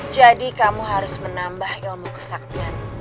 jadi kamu harus menambah ilmu kesaktianmu